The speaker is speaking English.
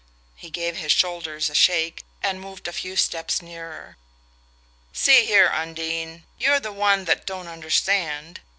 He gave his shoulders a shake and moved a few steps nearer. "See here, Undine you're the one that don't understand.